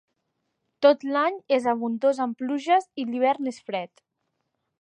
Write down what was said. Tot l'any és abundós en pluges, i l'hivern és fred.